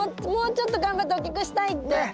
もうちょっと頑張って大きくしたいって。